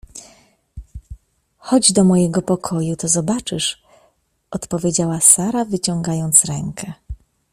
— Chodź do mojego pokoju, to zobaczysz — odpowiedziała Sara, wyciągając rękę.